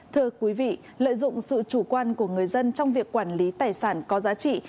thưa quý vị lợi dụng sự chủ quan của người dân trong việc quản lý tài sản có giá trị